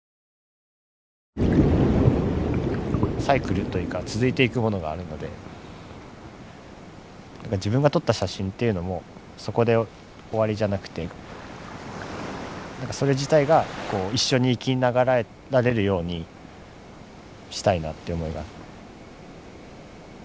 サイクルというか続いていくものがあるので自分が撮った写真っていうのもそこで終わりじゃなくてそれ自体が一緒に生き長らえられるようにしたいなって思います。